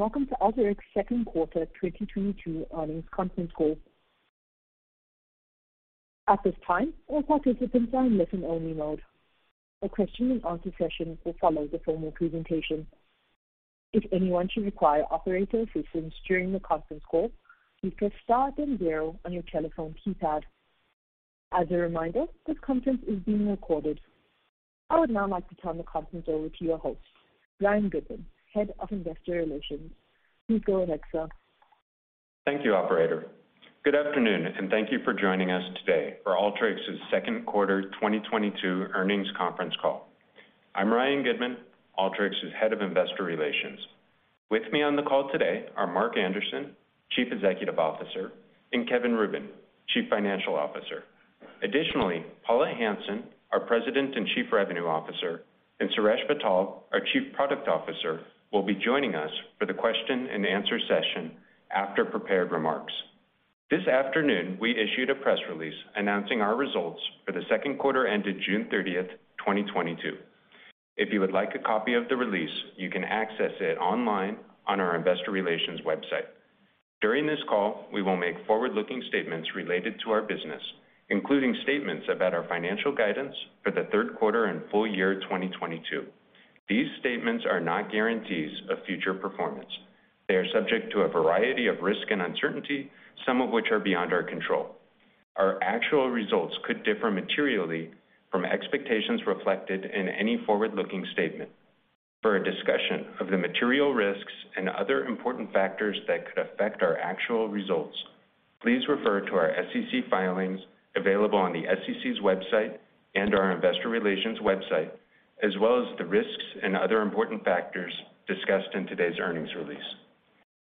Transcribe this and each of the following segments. Welcome to Alteryx second quarter 2022 Earnings Conference Call. At this time, all participants are in listen-only mode. A question and answer session will follow the formal presentation. If anyone should require operator assistance during the conference call, please press star then zero on your telephone keypad. As a reminder, this conference is being recorded. I would now like to turn the conference over to your host, Ryan Goodman, Head of Investor Relations. Please go ahead, sir. Thank you, operator. Good afternoon, and thank you for joining us today for Alteryx's Second Quarter 2022 Earnings Conference Call. I'm Ryan Goodman, Alteryx's Head of Investor Relations. With me on the call today are Mark Anderson, Chief Executive Officer, and Kevin Rubin, Chief Financial Officer. Additionally, Paula Hansen, our President and Chief Revenue Officer, and Suresh Vittal, our Chief Product Officer, will be joining us for the question and answer session after prepared remarks. This afternoon, we issued a press release announcing our results for the second quarter ended June 30th, 2022. If you would like a copy of the release, you can access it online on our investor relations website. During this call, we will make forward-looking statements related to our business, including statements about our financial guidance for the third quarter and full year 2022. These statements are not guarantees of future performance. They are subject to a variety of risk and uncertainty, some of which are beyond our control. Our actual results could differ materially from expectations reflected in any forward-looking statement. For a discussion of the material risks and other important factors that could affect our actual results, please refer to our SEC filings available on the SEC's website and our investor relations website, as well as the risks and other important factors discussed in today's earnings release.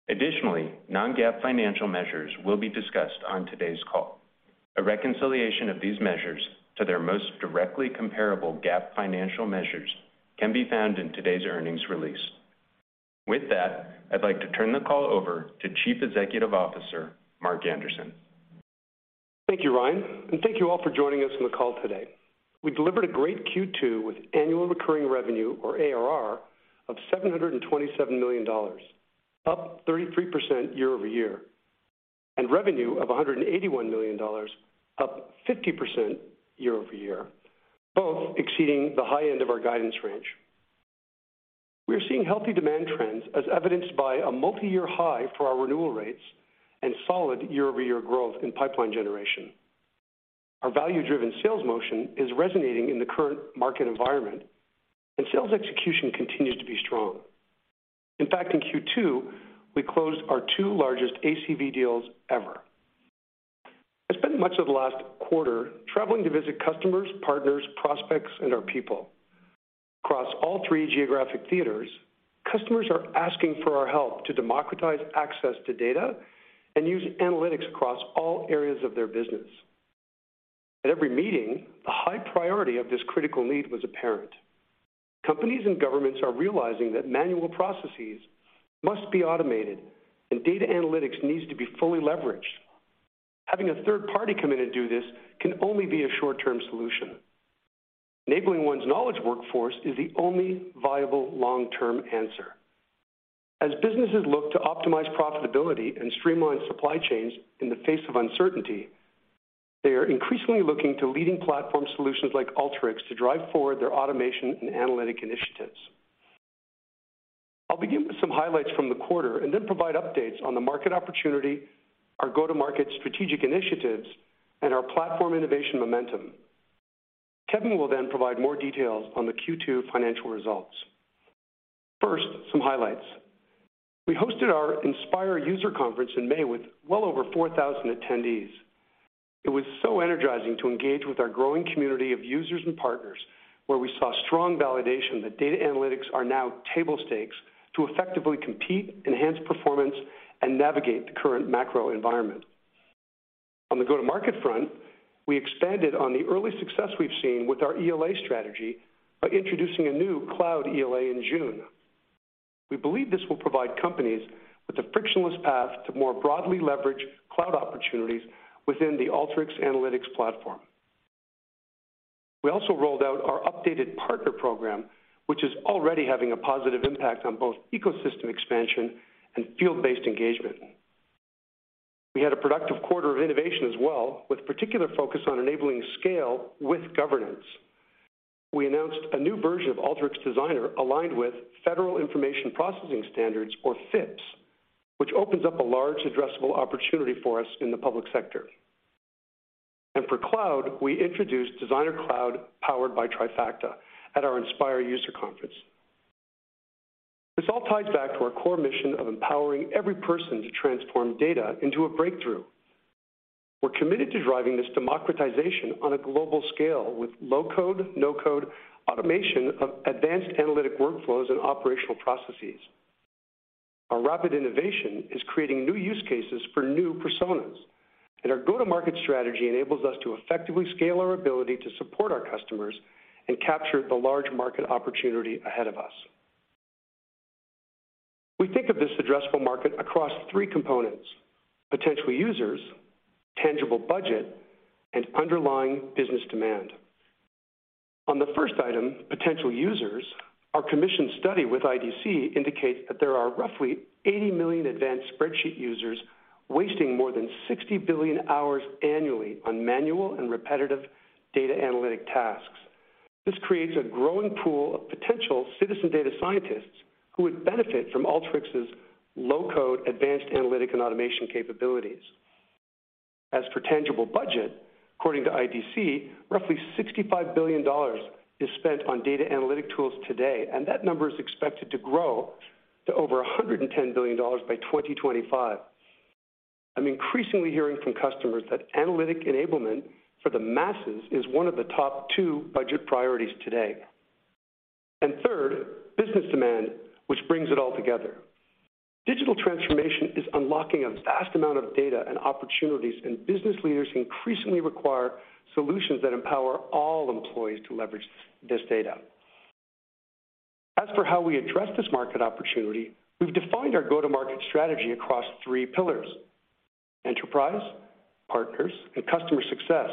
Additionally, non-GAAP financial measures will be discussed on today's call. A reconciliation of these measures to their most directly comparable GAAP financial measures can be found in today's earnings release. With that, I'd like to turn the call over to Chief Executive Officer, Mark Anderson. Thank you, Ryan, and thank you all for joining us on the call today. We delivered a great Q2 with annual recurring revenue or ARR of $727 million, up 33% year-over-year, and revenue of $181 million, up 50% year-over-year, both exceeding the high end of our guidance range. We are seeing healthy demand trends as evidenced by a multiyear high for our renewal rates and solid year-over-year growth in pipeline generation. Our value-driven sales motion is resonating in the current market environment, and sales execution continues to be strong. In fact, in Q2, we closed our two largest ACV deals ever. I spent much of the last quarter traveling to visit customers, partners, prospects, and our people. Across all three geographic theaters, customers are asking for our help to democratize access to data and use analytics across all areas of their business. At every meeting, the high priority of this critical need was apparent. Companies and governments are realizing that manual processes must be automated, and data analytics needs to be fully leveraged. Having a third party come in and do this can only be a short-term solution. Enabling one's knowledge workforce is the only viable long-term answer. As businesses look to optimize profitability and streamline supply chains in the face of uncertainty, they are increasingly looking to leading platform solutions like Alteryx to drive forward their automation and analytic initiatives. I'll begin with some highlights from the quarter and then provide updates on the market opportunity, our go-to-market strategic initiatives, and our platform innovation momentum. Kevin will then provide more details on the Q2 financial results. First, some highlights. We hosted our Inspire user conference in May with well over 4,000 attendees. It was so energizing to engage with our growing community of users and partners, where we saw strong validation that data analytics are now table stakes to effectively compete, enhance performance, and navigate the current macro environment. On the go-to-market front, we expanded on the early success we've seen with our ELA strategy by introducing a new cloud ELA in June. We believe this will provide companies with a frictionless path to more broadly leverage cloud opportunities within the Alteryx Analytics Platform. We also rolled out our updated partner program, which is already having a positive impact on both ecosystem expansion and field-based engagement. We had a productive quarter of innovation as well, with particular focus on enabling scale with governance. We announced a new version of Alteryx Designer aligned with Federal Information Processing Standards, or FIPS, which opens up a large addressable opportunity for us in the public sector. For cloud, we introduced Designer Cloud powered by Trifacta at our Inspire user conference. This all ties back to our core mission of empowering every person to transform data into a breakthrough. We're committed to driving this democratization on a global scale with low-code, no-code automation of advanced analytic workflows and operational processes. Our rapid innovation is creating new use cases for new personas, and our go-to-market strategy enables us to effectively scale our ability to support our customers and capture the large market opportunity ahead of us. We think of this addressable market across three components: potential users, tangible budget, and underlying business demand. On the first item, potential users, our commission study with IDC indicates that there are roughly 80 million advanced spreadsheet users wasting more than 60 billion hours annually on manual and repetitive data analytic tasks. This creates a growing pool of potential citizen data scientists who would benefit from Alteryx's low-code advanced analytic and automation capabilities. As for tangible budget, according to IDC, roughly $65 billion is spent on data analytic tools today, and that number is expected to grow to over $110 billion by 2025. I'm increasingly hearing from customers that analytic enablement for the masses is one of the top two budget priorities today. Third, business demand, which brings it all together. Digital transformation is unlocking a vast amount of data and opportunities, and business leaders increasingly require solutions that empower all employees to leverage this data. As for how we address this market opportunity, we've defined our go-to-market strategy across three pillars, enterprise, partners, and customer success.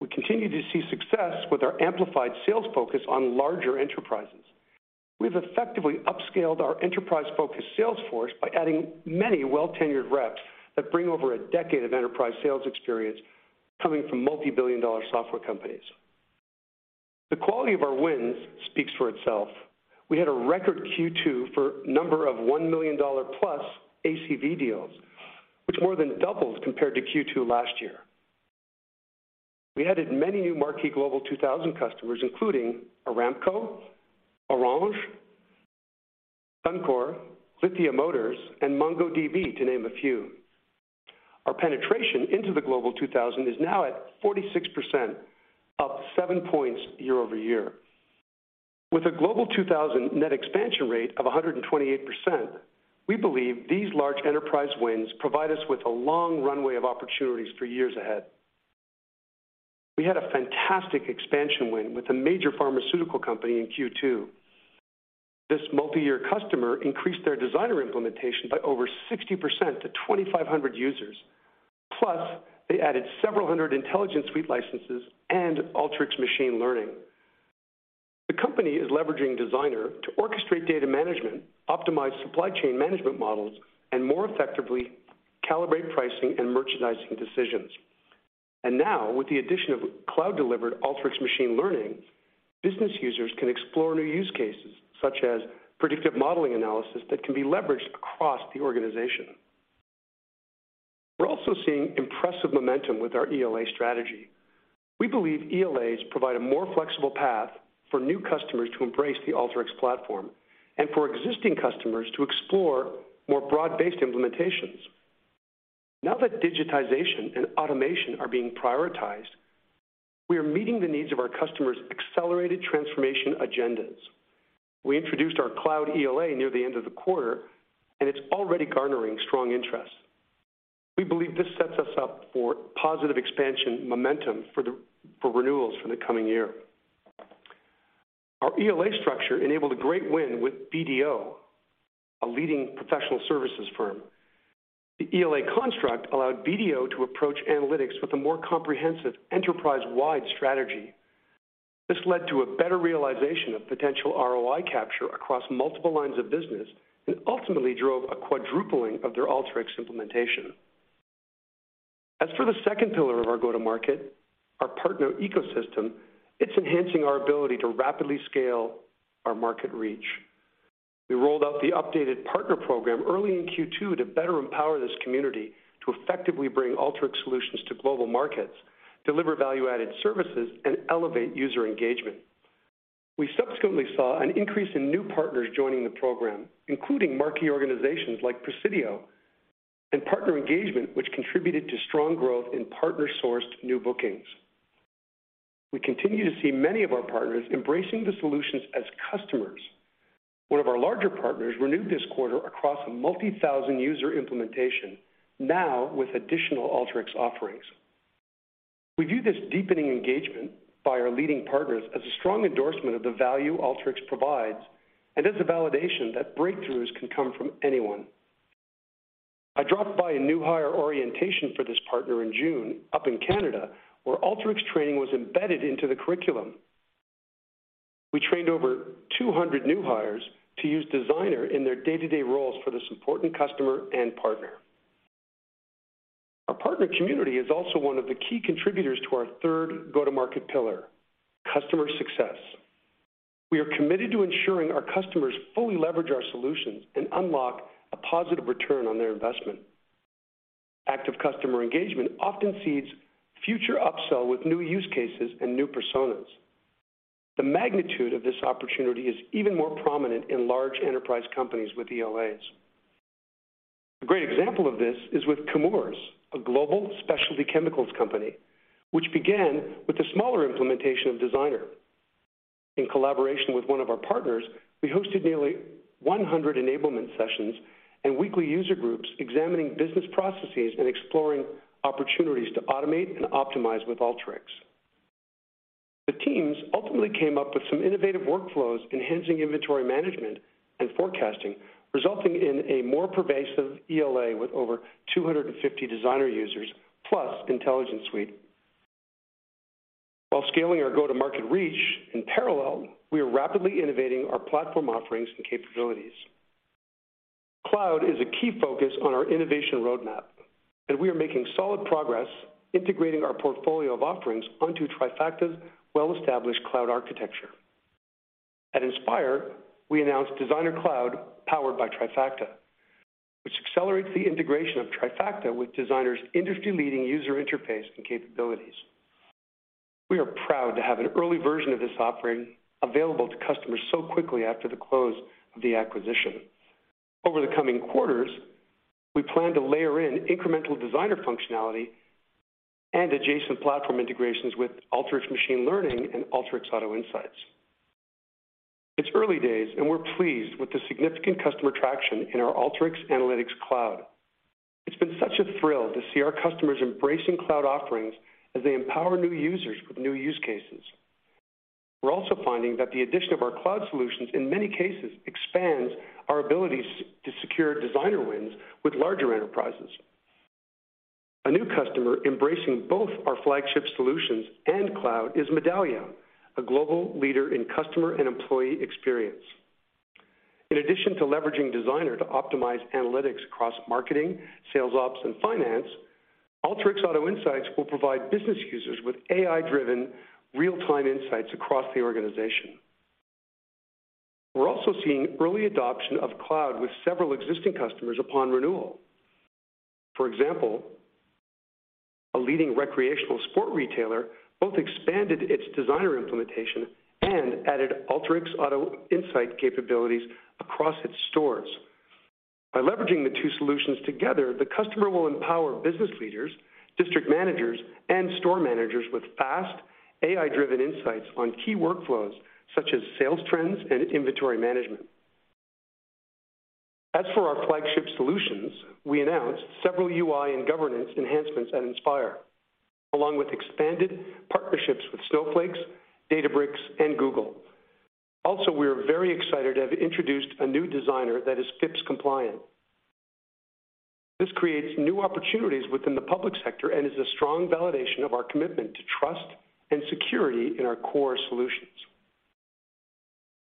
We continue to see success with our amplified sales focus on larger enterprises. We've effectively upscaled our enterprise-focused sales force by adding many well-tenured reps that bring over a decade of enterprise sales experience coming from multi-billion-dollar software companies. The quality of our wins speaks for itself. We had a record Q2 for number of $1 million+ ACV deals, which more than doubled compared to Q2 last year. We added many new marquee Global 2000 customers, including Aramco, Orange, Suncor, Lithia Motors, and MongoDB, to name a few. Our penetration into the Global 2000 is now at 46%, up seven points year-over-year. With a Global 2000 net expansion rate of 128%, we believe these large enterprise wins provide us with a long runway of opportunities for years ahead. We had a fantastic expansion win with a major pharmaceutical company in Q2. This multi-year customer increased their designer implementation by over 60% to 2,500 users. Plus, they added several hundred intelligence suite licenses and Alteryx Machine Learning. The company is leveraging Designer to orchestrate data management, optimize supply chain management models, and more effectively calibrate pricing and merchandising decisions. Now, with the addition of cloud-delivered Alteryx Machine Learning, business users can explore new use cases such as predictive modeling analysis that can be leveraged across the organization. We're also seeing impressive momentum with our ELA strategy. We believe ELAs provide a more flexible path for new customers to embrace the Alteryx platform and for existing customers to explore more broad-based implementations. Now that digitization and automation are being prioritized, we are meeting the needs of our customers' accelerated transformation agendas. We introduced our cloud ELA near the end of the quarter, and it's already garnering strong interest. We believe this sets us up for positive expansion momentum for renewals for the coming year. Our ELA structure enabled a great win with BDO, a leading professional services firm. The ELA construct allowed BDO to approach analytics with a more comprehensive enterprise-wide strategy. This led to a better realization of potential ROI capture across multiple lines of business and ultimately drove a quadrupling of their Alteryx implementation. As for the second pillar of our go-to-market, our partner ecosystem, it's enhancing our ability to rapidly scale our market reach. We rolled out the updated partner program early in Q2 to better empower this community to effectively bring Alteryx solutions to global markets, deliver value-added services, and elevate user engagement. We subsequently saw an increase in new partners joining the program, including marquee organizations like Presidio and partner engagement, which contributed to strong growth in partner-sourced new bookings. We continue to see many of our partners embracing the solutions as customers. One of our larger partners renewed this quarter across a multi-thousand user implementation, now with additional Alteryx offerings. We view this deepening engagement by our leading partners as a strong endorsement of the value Alteryx provides and as a validation that breakthroughs can come from anyone. I dropped by a new hire orientation for this partner in June up in Canada, where Alteryx training was embedded into the curriculum. We trained over 200 new hires to use Designer in their day-to-day roles for this important customer and partner. Our partner community is also one of the key contributors to our third go-to-market pillar, customer success. We are committed to ensuring our customers fully leverage our solutions and unlock a positive return on their investment. Active customer engagement often seeds future upsell with new use cases and new personas. The magnitude of this opportunity is even more prominent in large enterprise companies with ELAs. A great example of this is with Chemours, a global specialty chemicals company which began with a smaller implementation of Designer. In collaboration with one of our partners, we hosted nearly 100 enablement sessions and weekly user groups examining business processes and exploring opportunities to automate and optimize with Alteryx. The teams ultimately came up with some innovative workflows, enhancing inventory management and forecasting, resulting in a more pervasive ELA with over 250 Designer users, plus Intelligence Suite. While scaling our go-to-market reach, in parallel, we are rapidly innovating our platform offerings and capabilities. Cloud is a key focus on our innovation roadmap, and we are making solid progress integrating our portfolio of offerings onto Trifacta's well-established cloud architecture. At Inspire, we announced Designer Cloud, powered by Trifacta, which accelerates the integration of Trifacta with Designer's industry-leading user interface and capabilities. We are proud to have an early version of this offering available to customers so quickly after the close of the acquisition. Over the coming quarters, we plan to layer in incremental Designer functionality and adjacent platform integrations with Alteryx Machine Learning and Alteryx Auto Insights. It's early days, and we're pleased with the significant customer traction in our Alteryx Analytics Cloud. It's been such a thrill to see our customers embracing cloud offerings as they empower new users with new use cases. We're also finding that the addition of our cloud solutions, in many cases, expands our abilities to secure Designer wins with larger enterprises. A new customer embracing both our flagship solutions and cloud is Medallia, a global leader in customer and employee experience. In addition to leveraging Designer to optimize analytics across marketing, sales ops, and finance, Alteryx Auto Insights will provide business users with AI-driven real-time insights across the organization. We're also seeing early adoption of cloud with several existing customers upon renewal. For example, a leading recreational sport retailer both expanded its Designer implementation and added Alteryx Auto Insights capabilities across its stores. By leveraging the two solutions together, the customer will empower business leaders, district managers, and store managers with fast AI-driven insights on key workflows such as sales trends and inventory management. As for our flagship solutions, we announced several UI and governance enhancements at Inspire, along with expanded partnerships with Snowflake, Databricks, and Google. Also, we are very excited to have introduced a new Designer that is FIPS compliant. This creates new opportunities within the public sector and is a strong validation of our commitment to trust and security in our core solutions.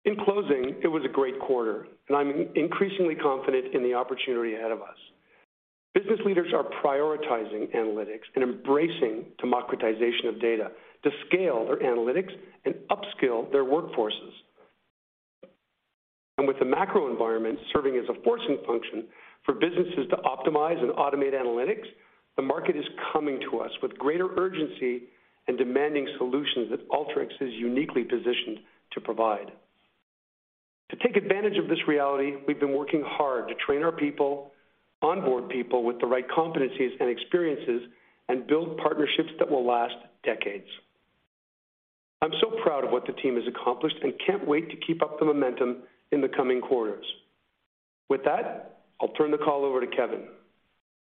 In closing, it was a great quarter, and I'm increasingly confident in the opportunity ahead of us. Business leaders are prioritizing analytics and embracing democratization of data to scale their analytics and upskill their workforces. With the macro environment serving as a forcing function for businesses to optimize and automate analytics, the market is coming to us with greater urgency and demanding solutions that Alteryx is uniquely positioned to provide. To take advantage of this reality, we've been working hard to train our people, onboard people with the right competencies and experiences, and build partnerships that will last decades. I'm so proud of what the team has accomplished and can't wait to keep up the momentum in the coming quarters. With that, I'll turn the call over to Kevin.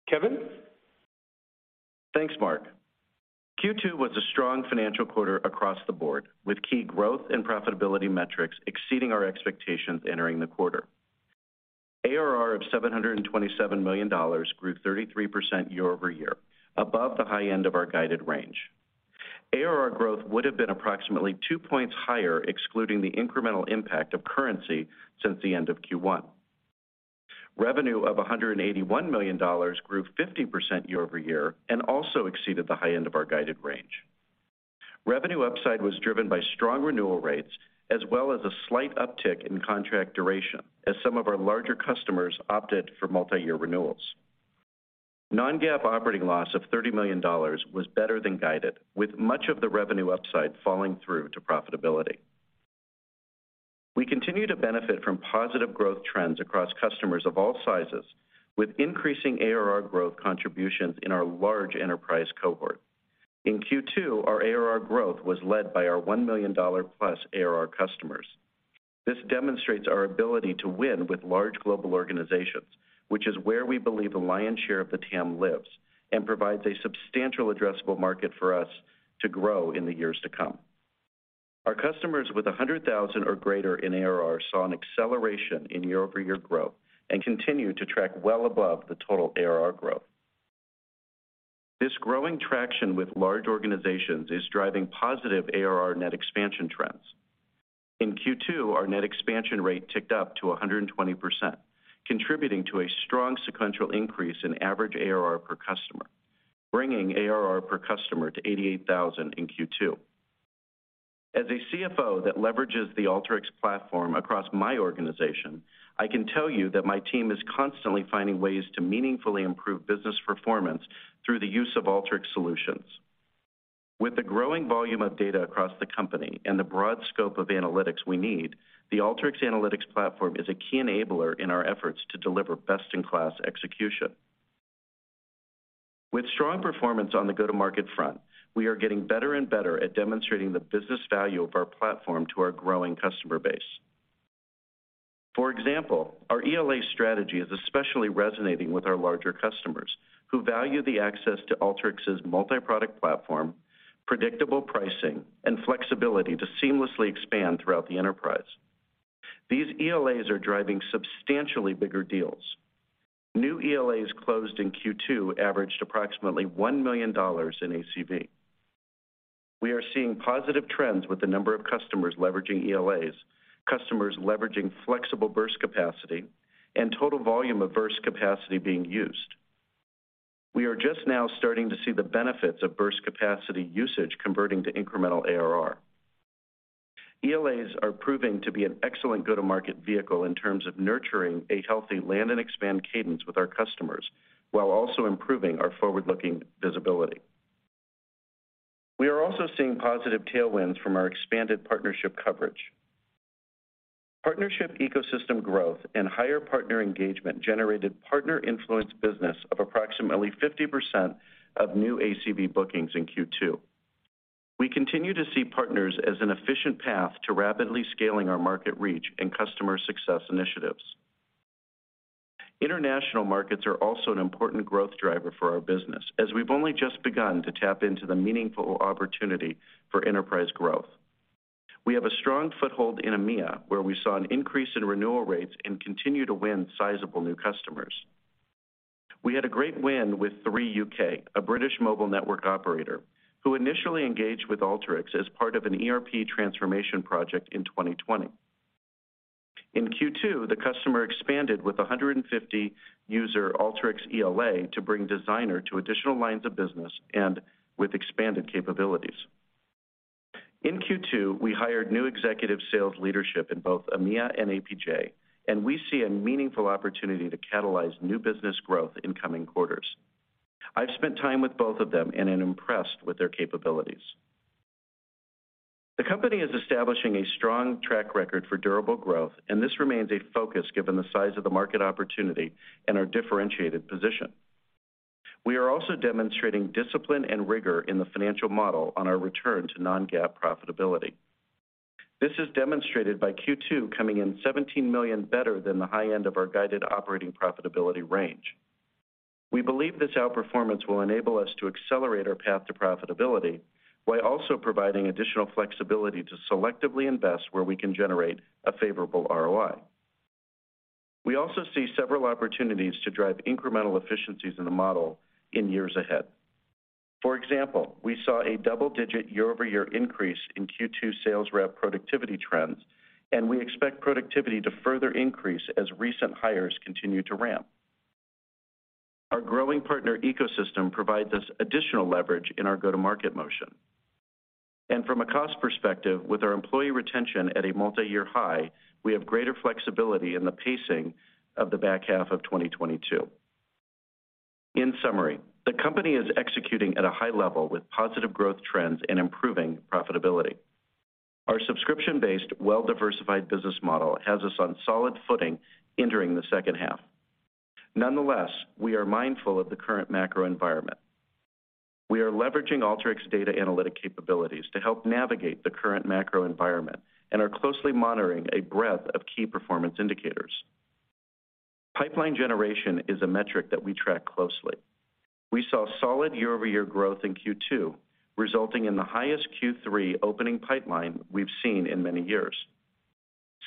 Kevin? Thanks, Mark. Q2 was a strong financial quarter across the board, with key growth and profitability metrics exceeding our expectations entering the quarter. ARR of $727 million grew 33% year-over-year, above the high end of our guided range. ARR growth would have been approximately two points higher, excluding the incremental impact of currency since the end of Q1. Revenue of $181 million grew 50% year-over-year and also exceeded the high end of our guided range. Revenue upside was driven by strong renewal rates as well as a slight uptick in contract duration, as some of our larger customers opted for multi-year renewals. Non-GAAP operating loss of $30 million was better than guided, with much of the revenue upside falling through to profitability. We continue to benefit from positive growth trends across customers of all sizes, with increasing ARR growth contributions in our large enterprise cohort. In Q2, our ARR growth was led by our $1 million+ ARR customers. This demonstrates our ability to win with large global organizations, which is where we believe the lion's share of the TAM lives and provides a substantial addressable market for us to grow in the years to come. Our customers with 100,000 or greater in ARR saw an acceleration in year-over-year growth and continue to track well above the total ARR growth. This growing traction with large organizations is driving positive ARR net expansion trends. In Q2, our net expansion rate ticked up to 120%, contributing to a strong sequential increase in average ARR per customer, bringing ARR per customer to 88,000 in Q2. As a CFO that leverages the Alteryx platform across my organization, I can tell you that my team is constantly finding ways to meaningfully improve business performance through the use of Alteryx solutions. With the growing volume of data across the company and the broad scope of analytics we need, the Alteryx Analytics Platform is a key enabler in our efforts to deliver best-in-class execution. With strong performance on the go-to-market front, we are getting better and better at demonstrating the business value of our platform to our growing customer base. For example, our ELA strategy is especially resonating with our larger customers who value the access to Alteryx's multi-product platform, predictable pricing, and flexibility to seamlessly expand throughout the enterprise. These ELAs are driving substantially bigger deals. New ELAs closed in Q2 averaged approximately $1 million in ACV. We are seeing positive trends with the number of customers leveraging ELAs, customers leveraging flexible burst capacity, and total volume of burst capacity being used. We are just now starting to see the benefits of burst capacity usage converting to incremental ARR. ELAs are proving to be an excellent go-to-market vehicle in terms of nurturing a healthy land and expand cadence with our customers while also improving our forward-looking visibility. We are also seeing positive tailwinds from our expanded partnership coverage. Partnership ecosystem growth and higher partner engagement generated partner influence business of approximately 50% of new ACV bookings in Q2. We continue to see partners as an efficient path to rapidly scaling our market reach and customer success initiatives. International markets are also an important growth driver for our business, as we've only just begun to tap into the meaningful opportunity for enterprise growth. We have a strong foothold in EMEA, where we saw an increase in renewal rates and continue to win sizable new customers. We had a great win with Three UK, a British mobile network operator, who initially engaged with Alteryx as part of an ERP transformation project in 2020. In Q2, the customer expanded with a 150-user Alteryx ELA to bring Designer to additional lines of business and with expanded capabilities. In Q2, we hired new executive sales leadership in both EMEA and APJ, and we see a meaningful opportunity to catalyze new business growth in coming quarters. I've spent time with both of them and am impressed with their capabilities. The company is establishing a strong track record for durable growth, and this remains a focus given the size of the market opportunity and our differentiated position. We are also demonstrating discipline and rigor in the financial model on our return to non-GAAP profitability. This is demonstrated by Q2 coming in $17 million better than the high end of our guided operating profitability range. We believe this outperformance will enable us to accelerate our path to profitability while also providing additional flexibility to selectively invest where we can generate a favorable ROI. We also see several opportunities to drive incremental efficiencies in the model in years ahead. For example, we saw a double-digit year-over-year increase in Q2 sales rep productivity trends, and we expect productivity to further increase as recent hires continue to ramp. Our growing partner ecosystem provides us additional leverage in our go-to-market motion. From a cost perspective, with our employee retention at a multi-year high, we have greater flexibility in the pacing of the back half of 2022. In summary, the company is executing at a high level with positive growth trends and improving profitability. Our subscription-based, well-diversified business model has us on solid footing entering the second half. Nonetheless, we are mindful of the current macro environment. We are leveraging Alteryx data analytic capabilities to help navigate the current macro environment and are closely monitoring a breadth of key performance indicators. Pipeline generation is a metric that we track closely. We saw solid year-over-year growth in Q2, resulting in the highest Q3 opening pipeline we've seen in many years.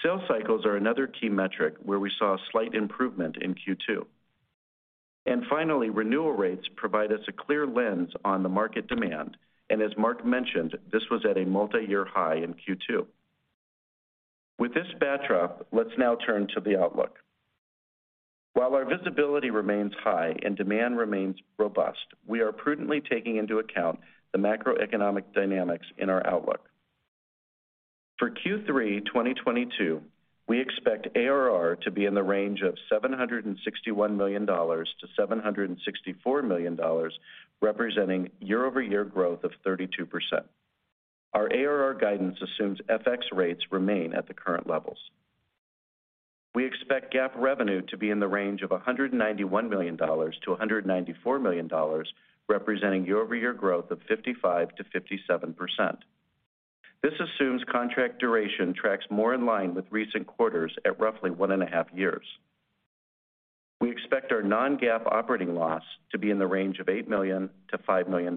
Sales cycles are another key metric where we saw a slight improvement in Q2. Finally, renewal rates provide us a clear lens on the market demand, and as Mark mentioned, this was at a multi-year high in Q2. With this backdrop, let's now turn to the outlook. While our visibility remains high and demand remains robust, we are prudently taking into account the macroeconomic dynamics in our outlook. For Q3 2022, we expect ARR to be in the range of $761 million-$764 million, representing year-over-year growth of 32%. Our ARR guidance assumes FX rates remain at the current levels. We expect GAAP revenue to be in the range of $191 million-$194 million, representing year-over-year growth of 55%-57%. This assumes contract duration tracks more in line with recent quarters at roughly one and a half years. We expect our non-GAAP operating loss to be in the range of $8 million-$5 million.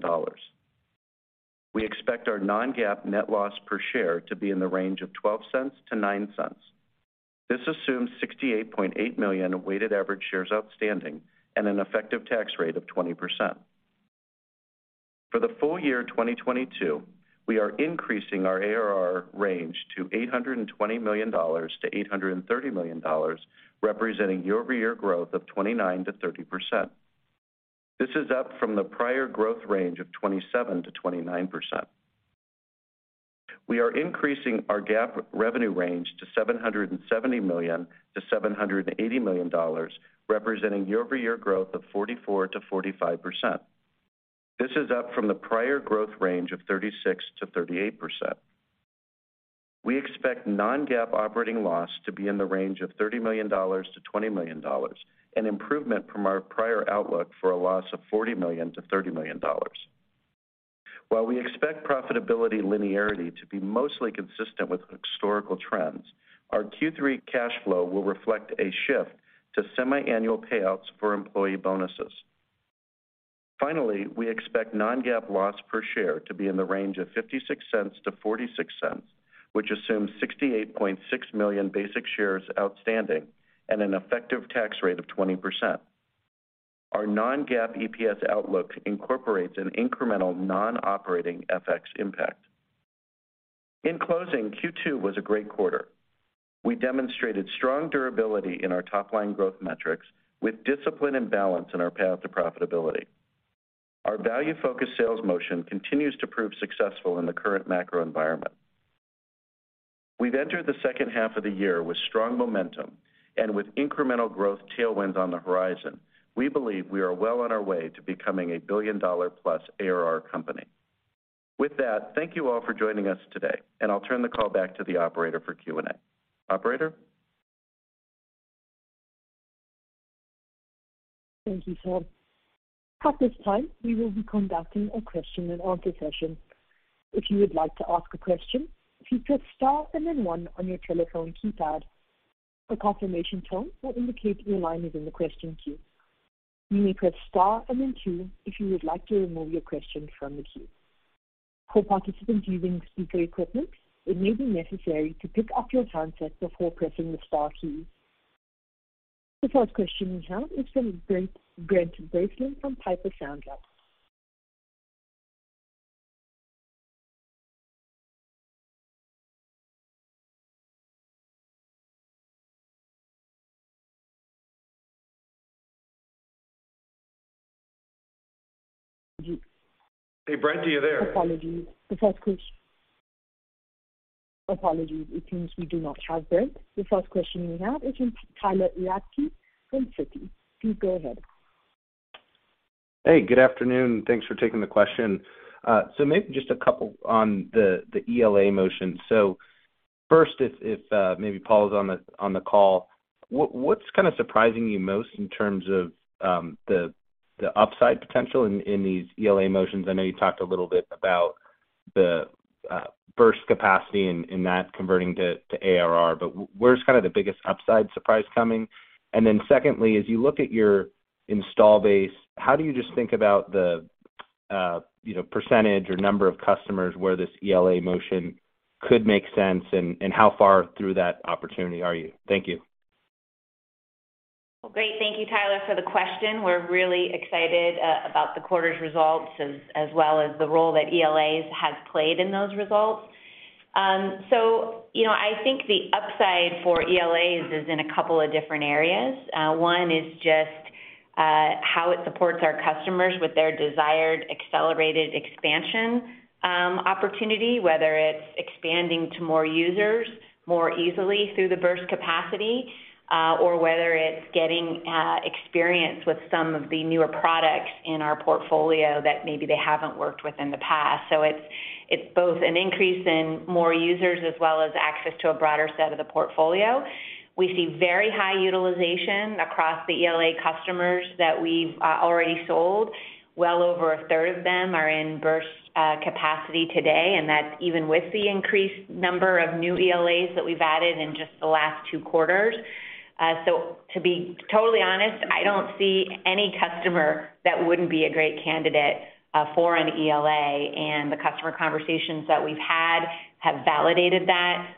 We expect our non-GAAP net loss per share to be in the range of $0.12-$0.09. This assumes 68.8 million weighted average shares outstanding and an effective tax rate of 20%. For the full year 2022, we are increasing our ARR range to $820 million-$830 million, representing year-over-year growth of 29%-30%. This is up from the prior growth range of 27%-29%. We are increasing our GAAP revenue range to $770 million-$780 million, representing year-over-year growth of 44%-45%. This is up from the prior growth range of 36%-38%. We expect non-GAAP operating loss to be in the range of $30 million-$20 million, an improvement from our prior outlook for a loss of $40 million-$30 million. While we expect profitability linearity to be mostly consistent with historical trends, our Q3 cash flow will reflect a shift to semiannual payouts for employee bonuses. Finally, we expect non-GAAP loss per share to be in the range of $0.56-$0.46, which assumes 68.6 million basic shares outstanding and an effective tax rate of 20%. Our non-GAAP EPS outlook incorporates an incremental non-operating FX impact. In closing, Q2 was a great quarter. We demonstrated strong durability in our top-line growth metrics with discipline and balance in our path to profitability. Our value-focused sales motion continues to prove successful in the current macro environment. We've entered the second half of the year with strong momentum and with incremental growth tailwinds on the horizon. We believe we are well on our way to becoming a billion-dollar plus ARR company. With that, thank you all for joining us today, and I'll turn the call back to the operator for Q&A. Operator? Thank you, sir. At this time, we will be conducting a question and answer session. If you would like to ask a question, please press star and then one on your telephone keypad. A confirmation tone will indicate your line is in the question queue. You may press star and then two if you would like to remove your question from the queue. For participants using speaker equipment, it may be necessary to pick up your handset before pressing the star key. The first question we have is from Brent Bracelin from Piper Sandler. Hey, Brent, are you there? Apologies. It seems we do not have Brent. The first question we have is from Tyler Radke from Citi. Please go ahead. Hey, good afternoon. Thanks for taking the question. Maybe just a couple on the ELA motion. First, if maybe Paula is on the call, what's kind of surprising you most in terms of the upside potential in these ELA motions? I know you talked a little bit about the burst capacity and that converting to ARR, but where's kinda the biggest upside surprise coming? Secondly, as you look at your installed base, how do you just think about the you know, percentage or number of customers where this ELA motion could make sense and how far through that opportunity are you? Thank you. Well, great. Thank you, Tyler, for the question. We're really excited about the quarter's results as well as the role that ELAs has played in those results. You know, I think the upside for ELAs is in a couple of different areas. One is just how it supports our customers with their desired accelerated expansion opportunity, whether it's expanding to more users more easily through the burst capacity, or whether it's getting experience with some of the newer products in our portfolio that maybe they haven't worked with in the past. It's both an increase in more users as well as access to a broader set of the portfolio. We see very high utilization across the ELA customers that we've already sold. Well over a third of them are in burst capacity today, and that's even with the increased number of new ELAs that we've added in just the last two quarters. To be totally honest, I don't see any customer that wouldn't be a great candidate for an ELA, and the customer conversations that we've had have validated that.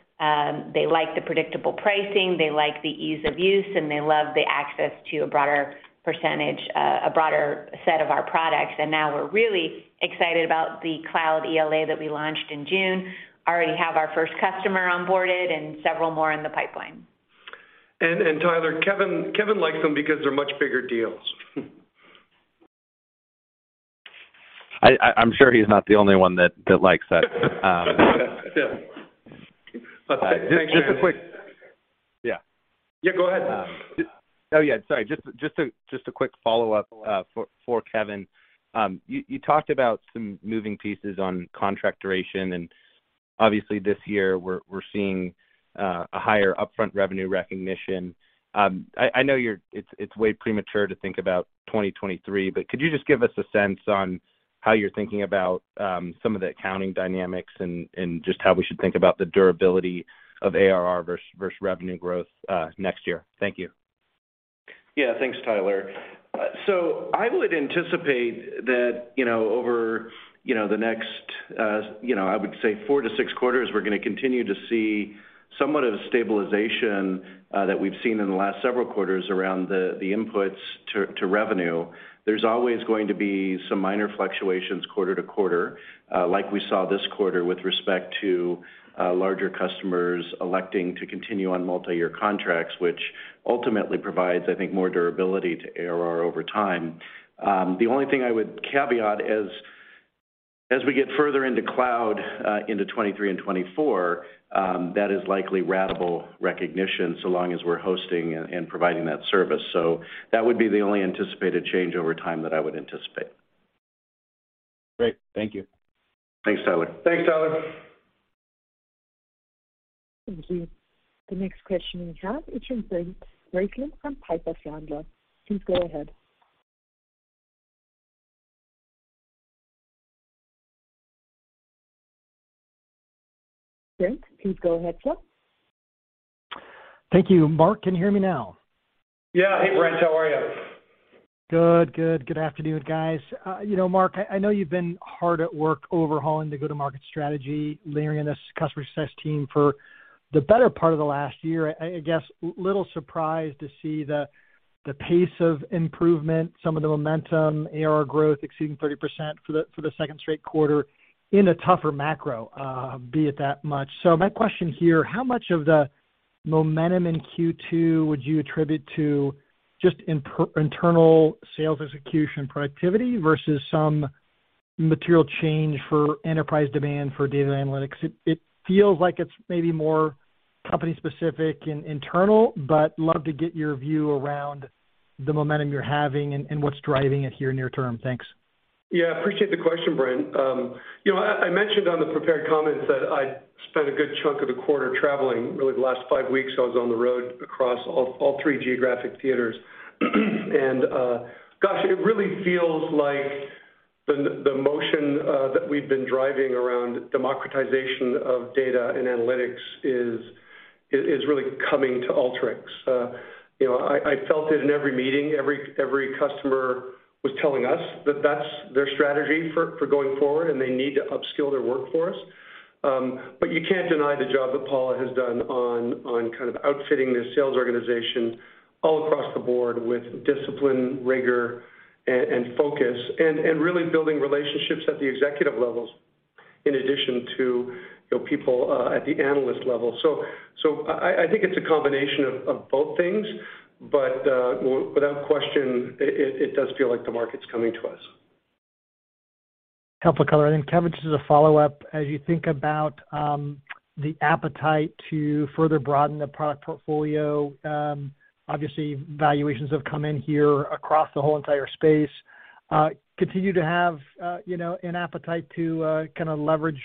They like the predictable pricing, they like the ease of use, and they love the access to a broader set of our products. Now we're really excited about the cloud ELA that we launched in June. Already have our first customer onboarded and several more in the pipeline. Tyler, Kevin likes them because they're much bigger deals. I'm sure he's not the only one that likes that. Yeah. Just a quick Yeah. Yeah, go ahead. Just a quick follow-up for Kevin. You talked about some moving pieces on contract duration, and obviously this year we're seeing a higher upfront revenue recognition. I know it's way premature to think about 2023, but could you just give us a sense on how you're thinking about some of the accounting dynamics and just how we should think about the durability of ARR versus revenue growth next year? Thank you. Yeah, thanks, Tyler. So I would anticipate that, you know, over, you know, the next, you know, I would say 4-6 quarters, we're gonna continue to see somewhat of a stabilization that we've seen in the last several quarters around the inputs to revenue. There's always going to be some minor fluctuations quarter to quarter, like we saw this quarter with respect to larger customers electing to continue on multi-year contracts, which ultimately provides, I think, more durability to ARR over time. The only thing I would caveat is, as we get further into cloud, into 2023 and 2024, that is likely ratable recognition, so long as we're hosting and providing that service. That would be the only anticipated change over time that I would anticipate. Great. Thank you. Thanks, Tyler. Thanks, Tyler. Thank you. The next question we have is from Brent Bracelin from Piper Sandler. Please go ahead. Brent, please go ahead, sir. Thank you. Mark, can you hear me now? Yeah. Hey, Brent. How are you? Good afternoon, guys. You know, Mark, I know you've been hard at work overhauling the go-to-market strategy, layering in this customer success team for the better part of the last year. I'm a little surprised to see the pace of improvement, some of the momentum, ARR growth exceeding 30% for the second straight quarter in a tougher macro, being that much. My question here, how much of the momentum in Q2 would you attribute to just internal sales execution productivity versus some material change in enterprise demand for data analytics? It feels like it's maybe more company specific and internal, but love to get your view around the momentum you're having and what's driving it here near term. Thanks. Yeah, appreciate the question, Brent. You know, I mentioned on the prepared comments that I spent a good chunk of the quarter traveling. Really the last five weeks I was on the road across all three geographic theaters. Gosh, it really feels like the motion that we've been driving around democratization of data and analytics is really coming to Alteryx. You know, I felt it in every meeting. Every customer was telling us that that's their strategy for going forward, and they need to upskill their workforce. You can't deny the job that Paula has done on kind of outfitting the sales organization all across the board with discipline, rigor, and focus and really building relationships at the executive levels in addition to, you know, people at the analyst level. I think it's a combination of both things, but without question, it does feel like the market's coming to us. Helpful color. Kevin, just as a follow-up, as you think about the appetite to further broaden the product portfolio, obviously valuations have come in here across the whole entire space. Continue to have, you know, an appetite to kind of leverage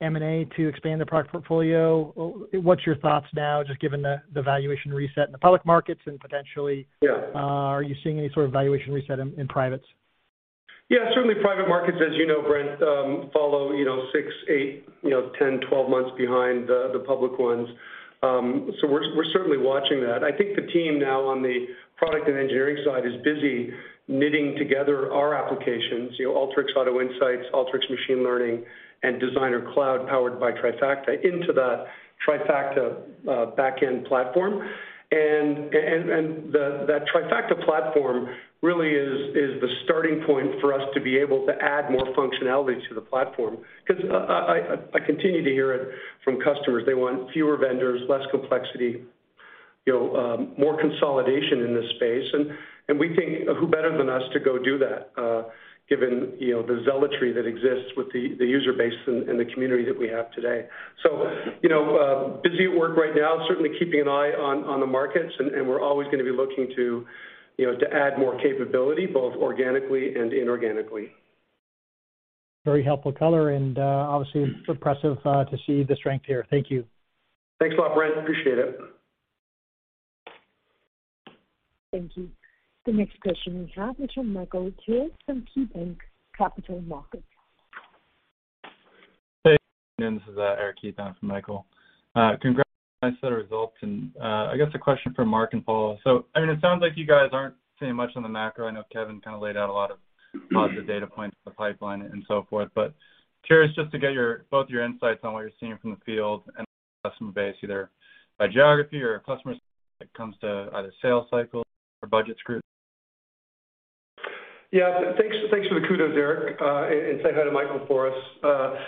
M&A to expand the product portfolio. What's your thoughts now just given the valuation reset in the public markets and potentially- Yeah. Are you seeing any sort of valuation reset in privates? Yeah, certainly private markets, as you know, Brent, follow, you know, six, eight, you know, 10, 12 months behind the public ones. We're certainly watching that. I think the team now on the product and engineering side is busy knitting together our applications, you know, Alteryx Auto Insights, Alteryx Machine Learning, and Designer Cloud powered by Trifacta into the Trifacta backend platform. That Trifacta platform really is the starting point for us to be able to add more functionality to the platform. 'Cause I continue to hear it from customers. They want fewer vendors, less complexity, you know, more consolidation in this space. We think who better than us to go do that, given, you know, the zealotry that exists with the user base and the community that we have today. you know, busy at work right now, certainly keeping an eye on the markets, and we're always gonna be looking to, you know, to add more capability both organically and inorganically. Very helpful color and, obviously impressive, to see the strength here. Thank you. Thanks a lot, Brent. Appreciate it. Thank you. The next question we have is from Michael Turits from KeyBanc Capital Markets. Hey. This is Eric Heath in for Michael. Congrats on the set of results. I guess a question for Mark and Paula. I mean, it sounds like you guys aren't saying much on the macro. I know Kevin kind of laid out a lot of positive data points in the pipeline and so forth, but curious just to get both your insights on what you're seeing from the field and the customer base, either by geography or customer set when it comes to either sales cycle or budgets group. Yeah. Thanks for the kudos, Eric. Say hi to Michael for us.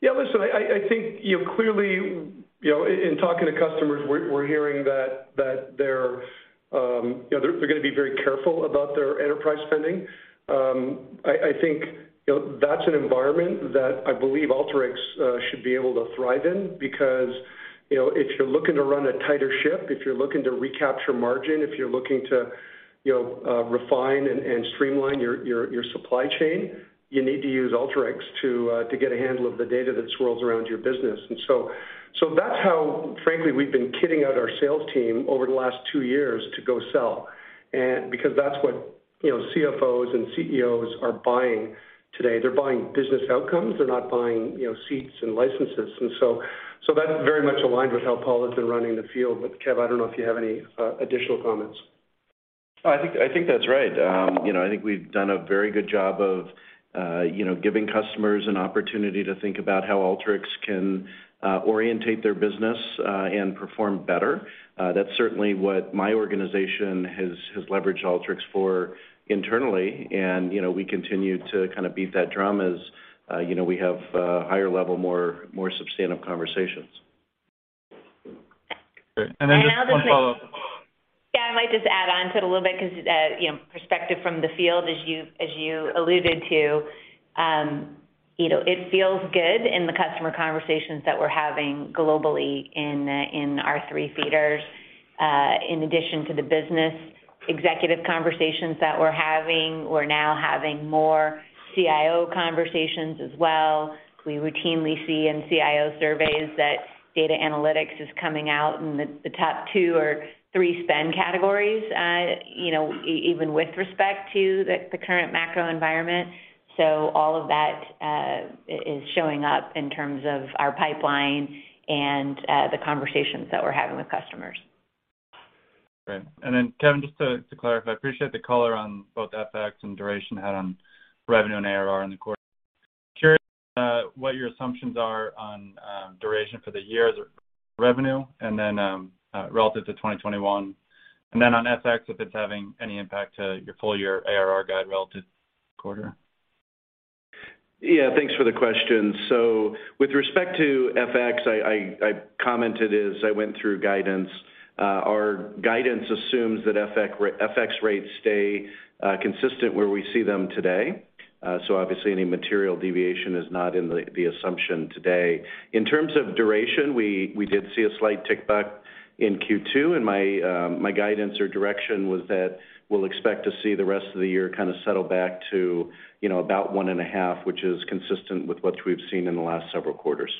Yeah, listen, I think, you know, clearly, in talking to customers, we're hearing that they're gonna be very careful about their enterprise spending. I think, you know, that's an environment that I believe Alteryx should be able to thrive in because, you know, if you're looking to run a tighter ship, if you're looking to recapture margin, if you're looking to refine and streamline your supply chain, you need to use Alteryx to get a handle on the data that swirls around your business. That's how frankly we've been kitting out our sales team over the last two years to go sell. Because that's what, you know, CFOs and CEOs are buying today. They're buying business outcomes. They're not buying, you know, seats and licenses. So that's very much aligned with how Paula has been running the field. Kev, I don't know if you have any additional comments. I think that's right. You know, I think we've done a very good job of, you know, giving customers an opportunity to think about how Alteryx can orientate their business and perform better. That's certainly what my organization has leveraged Alteryx for internally. You know, we continue to kind of beat that drum as, you know, we have higher level, more substantive conversations. Great. Just one follow-up. Yeah, I might just add on to it a little bit because you know, perspective from the field as you alluded to. You know, it feels good in the customer conversations that we're having globally in our three feeders. In addition to the business executive conversations that we're having, we're now having more CIO conversations as well. We routinely see in CIO surveys that data analytics is coming out in the top two or three spend categories, even with respect to the current macro environment. All of that is showing up in terms of our pipeline and the conversations that we're having with customers. Great. Kevin, just to clarify, I appreciate the color on both FX and duration had on revenue and ARR in the quarter. Curious what your assumptions are on duration for the year revenue and then relative to 2021. On FX, if it's having any impact to your full year ARR guide relative quarter. Yeah. Thanks for the question. With respect to FX, I commented as I went through guidance. Our guidance assumes that FX rates stay consistent where we see them today. Obviously any material deviation is not in the assumption today. In terms of duration, we did see a slight tick back in Q2, and my guidance or direction was that we'll expect to see the rest of the year kind of settle back to, you know, about 1.5, which is consistent with what we've seen in the last several quarters.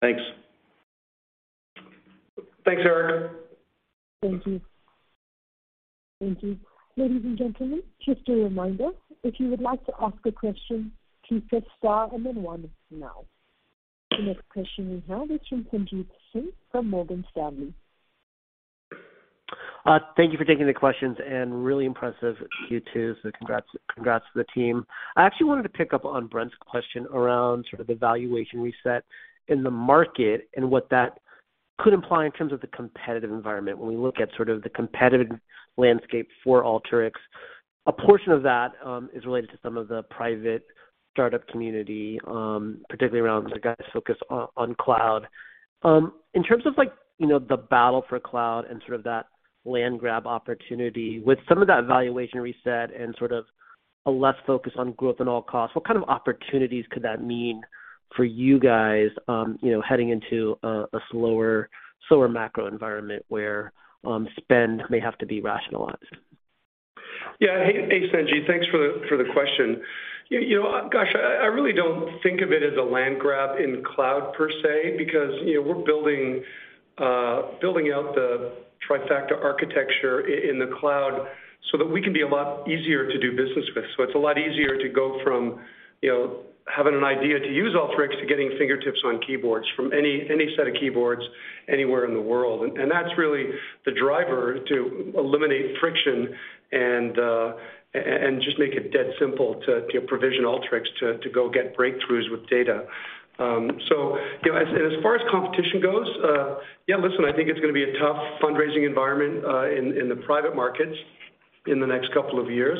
Thanks. Thanks, Eric. Thank you. Thank you. Ladies and gentlemen, just a reminder, if you would like to ask a question, please press star and then one now. The next question is now from Sanjit Singh from Morgan Stanley. Thank you for taking the questions, and really impressive Q2, so congrats to the team. I actually wanted to pick up on Brent's question around sort of the valuation reset in the market and what that could imply in terms of the competitive environment. When we look at sort of the competitive landscape for Alteryx, a portion of that is related to some of the private startup community, particularly around the guys focused on cloud. In terms of like, you know, the battle for cloud and sort of that land grab opportunity with some of that valuation reset and sort of a less focus on growth at all costs, what kind of opportunities could that mean for you guys, you know, heading into a slower macro environment where spend may have to be rationalized? Yeah. Hey, Sanjit. Thanks for the question. You know, gosh, I really don't think of it as a land grab in cloud per se, because, you know, we're building out the Trifacta architecture in the cloud so that we can be a lot easier to do business with. It's a lot easier to go from, you know, having an idea to use Alteryx to getting fingertips on keyboards from any set of keyboards anywhere in the world. And that's really the driver to eliminate friction and just make it dead simple to provision Alteryx to go get breakthroughs with data. You know, as far as competition goes, yeah, listen, I think it's gonna be a tough fundraising environment in the private markets in the next couple of years.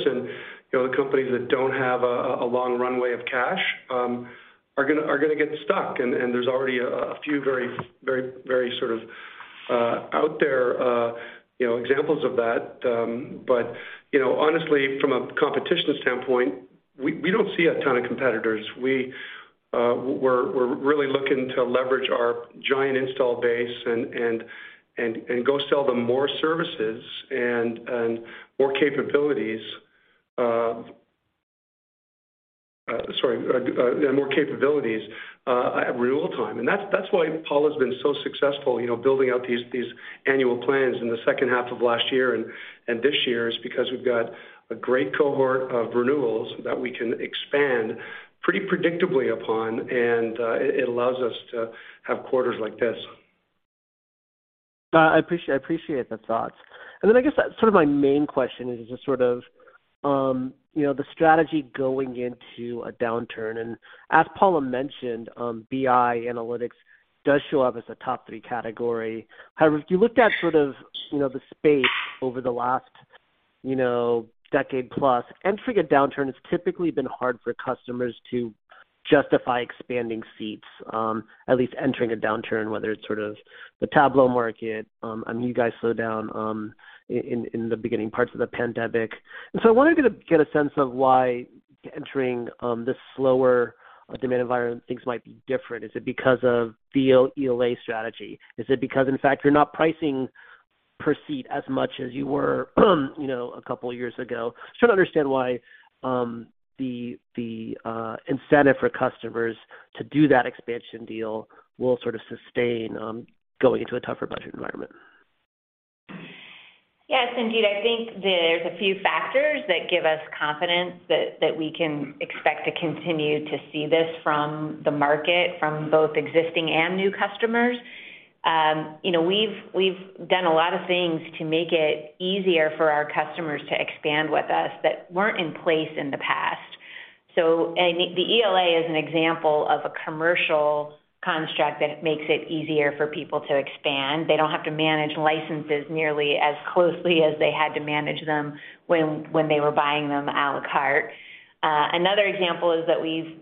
You know, the companies that don't have a long runway of cash are gonna get stuck, and there's already a few very sort of out there you know examples of that. But you know, honestly, from a competition standpoint, we don't see a ton of competitors. We're really looking to leverage our giant install base and go sell them more services and more capabilities at renewal time. That's why Paula's been so successful, you know, building out these annual plans in the second half of last year and this year is because we've got a great cohort of renewals that we can expand pretty predictably upon, and it allows us to have quarters like this. I appreciate the thoughts. I guess that's sort of my main question is just sort of, you know, the strategy going into a downturn. As Paula mentioned, BI analytics does show up as a top three category. However, if you looked at sort of, you know, the space over the last, you know, decade plus, entering a downturn, it's typically been hard for customers to justify expanding seats, at least entering a downturn, whether it's sort of the Tableau market, and you guys slowed down, in the beginning parts of the pandemic. I wanted to get a sense of why entering, this slower demand environment, things might be different. Is it because of the ELA strategy? Is it because in fact you're not pricing per seat as much as you were, you know, a couple of years ago? Just trying to understand why the incentive for customers to do that expansion deal will sort of sustain going into a tougher budget environment. Yes, indeed. I think there's a few factors that give us confidence that we can expect to continue to see this from the market from both existing and new customers. You know,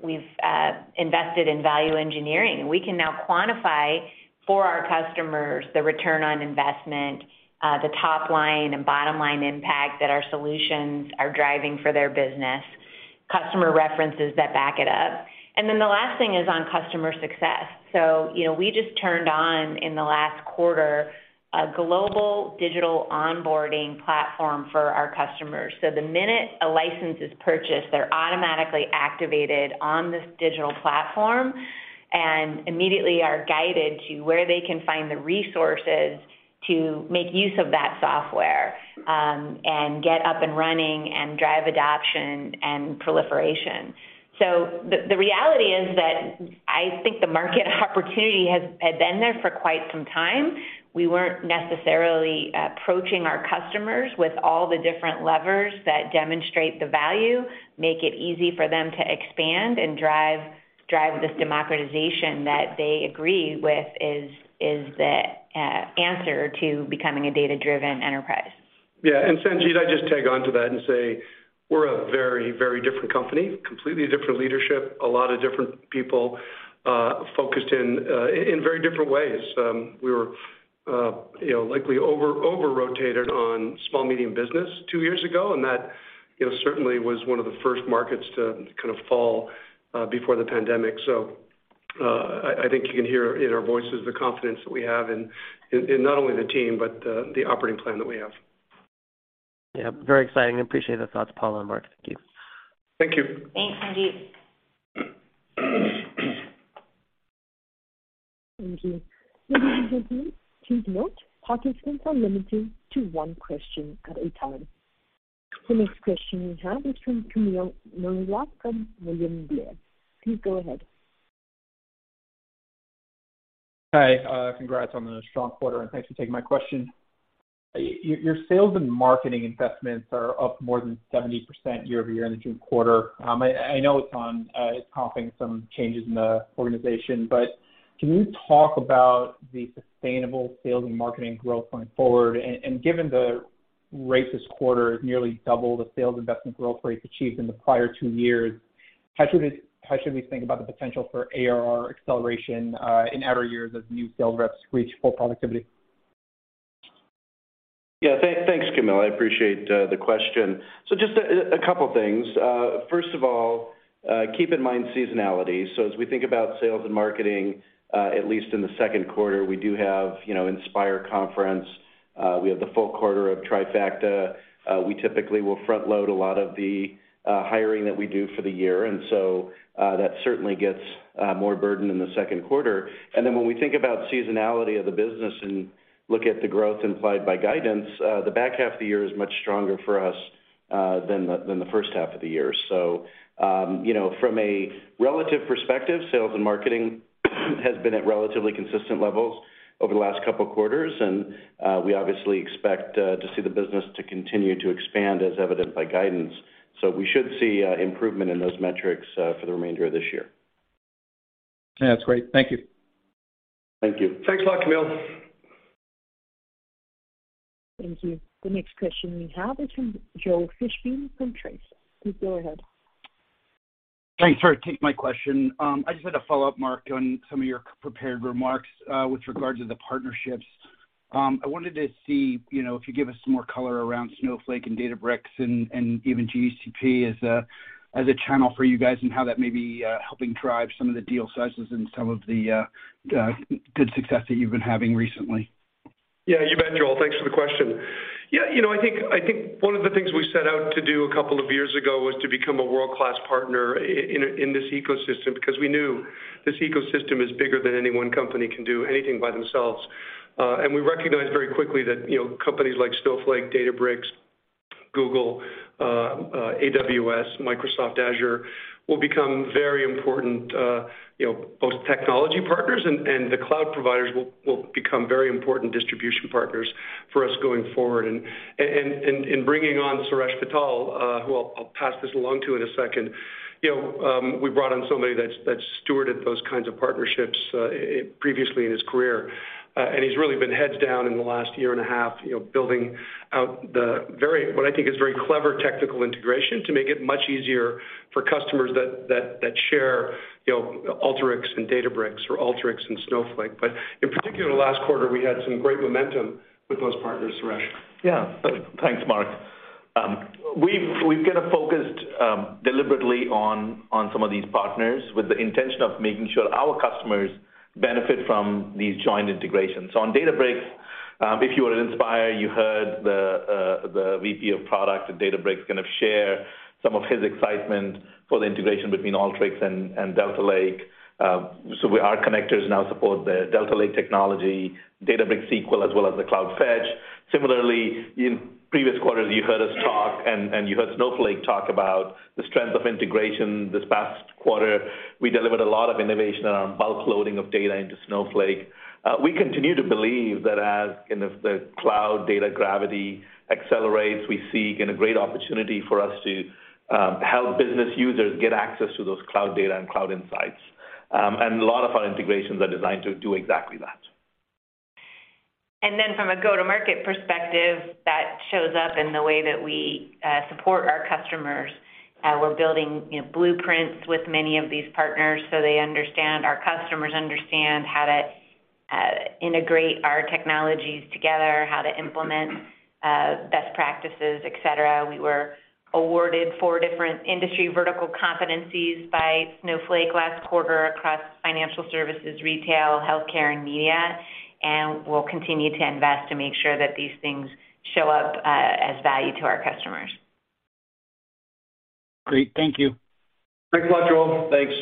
we've invested in value engineering. We can now quantify for our customers the return on investment, the top line and bottom-line impact that our solutions are driving for their business, customer references that back it up. The last thing is on customer success. You know, we just turned on in the last quarter a global digital onboarding platform for our customers. The minute a license is purchased, they're automatically activated on this digital platform and immediately are guided to where they can find the resources to make use of that software, and get up and running and drive adoption and proliferation. The reality is that I think the market opportunity has had been there for quite some time. We weren't necessarily approaching our customers with all the different levers that demonstrate the value, make it easy for them to expand and drive this democratization that they agree with is the answer to becoming a data-driven enterprise. Yeah. Sanjit, I'd just tag on to that and say we're a very, very different company, completely different leadership, a lot of different people, focused in very different ways. We were, you know, likely over-rotated on small medium business two years ago, and that, you know, certainly was one of the first markets to kind of fall before the pandemic. I think you can hear in our voices the confidence that we have in not only the team, but the operating plan that we have. Yeah. Very exciting. Appreciate the thoughts, Paula and Mark. Thank you. Thank you. Thanks, Sanjit. Thank you. Please note, participants are limited to one question at a time. The next question we have is from Kamil Mielczarek from William Blair. Please go ahead. Hi. Congrats on the strong quarter, and thanks for taking my question. Your sales and marketing investments are up more than 70% year-over-year in the June quarter. I know it's comping some changes in the organization, but can you talk about the sustainable sales and marketing growth going forward? Given the rate this quarter is nearly double the sales investment growth rate achieved in the prior two years, how should we think about the potential for ARR acceleration in outer years as new sales reps reach full productivity? Yeah. Thanks, Kamil. I appreciate the question. Just a couple things. First of all, keep in mind seasonality. As we think about sales and marketing, at least in the second quarter, we do have, you know, Inspire conference. We have the full quarter of Trifacta. We typically will front load a lot of the hiring that we do for the year, and so that certainly gets more burden in the second quarter. When we think about seasonality of the business and look at the growth implied by guidance, the back half of the year is much stronger for us than the first half of the year. You know, from a relative perspective, sales and marketing has been at relatively consistent levels over the last couple quarters. We obviously expect to see the business to continue to expand as evidenced by guidance. We should see improvement in those metrics for the remainder of this year. Yeah, that's great. Thank you. Thank you. Thanks a lot, Kamil. Thank you. The next question we have is from Joel Fishbein from Truist. Please go ahead. Thanks for taking my question. I just had a follow-up, Mark, on some of your prepared remarks, with regards to the partnerships. I wanted to see, you know, if you give us some more color around Snowflake and Databricks and even GCP as a channel for you guys and how that may be helping drive some of the deal sizes and some of the good success that you've been having recently. Yeah, you bet, Joel. Thanks for the question. Yeah, you know, I think one of the things we set out to do a couple of years ago was to become a world-class partner in this ecosystem because we knew this ecosystem is bigger than any one company can do anything by themselves. We recognized very quickly that, you know, companies like Snowflake, Databricks, Google, AWS, Microsoft Azure, will become very important, you know, both technology partners and the cloud providers will become very important distribution partners for us going forward. Bringing on Suresh Vittal, who I'll pass this along to in a second. You know, we brought on somebody that's stewarded those kinds of partnerships previously in his career. He's really been heads down in the last year and a half, you know, building out what I think is very clever technical integration to make it much easier for customers that share, you know, Alteryx and Databricks or Alteryx and Snowflake. In particular, last quarter, we had some great momentum with those partners. Suresh? Yeah. Thanks, Mark. We've kind of focused deliberately on some of these partners with the intention of making sure our customers benefit from these joint integrations. On Databricks, if you were at Inspire, you heard the VP of product at Databricks kind of share some of his excitement for the integration between Alteryx and Delta Lake. Our connectors now support the Delta Lake technology, Databricks SQL, as well as the Cloud Fetch. Similarly, in previous quarters, you heard us talk and you heard Snowflake talk about the strength of integration. This past quarter, we delivered a lot of innovation in our bulk loading of data into Snowflake. We continue to believe that as, you know, the cloud data gravity accelerates, we see, again, a great opportunity for us to help business users get access to those cloud data and cloud insights. A lot of our integrations are designed to do exactly that. From a go-to-market perspective, that shows up in the way that we support our customers. We're building, you know, blueprints with many of these partners so they understand, our customers understand how to integrate our technologies together, how to implement best practices, et cetera. We were awarded four different industry vertical competencies by Snowflake last quarter across financial services, retail, healthcare, and media. We'll continue to invest to make sure that these things show up as value to our customers. Great. Thank you. Thanks a lot, Joel. Thanks.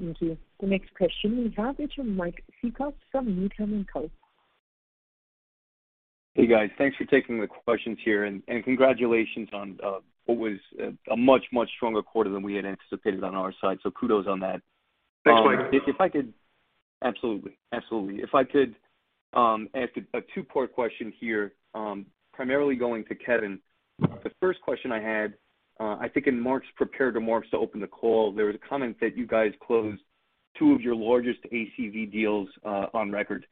Thank you. The next question we have is from Mike Cikos from Needham & Co. Hey, guys. Thanks for taking the questions here. Congratulations on what was a much stronger quarter than we had anticipated on our side. Kudos on that. Thanks, Mike. Absolutely. If I could ask a two-part question here, primarily going to Kevin. Mm-hmm. The first question I had, I think in Mark's prepared remarks to open the call, there was a comment that you guys closed two of your largest ACV deals on record.